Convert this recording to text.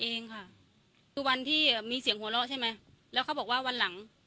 เองค่ะคือวันที่มีเสียงหัวเราะใช่ไหมแล้วเขาบอกว่าวันหลัง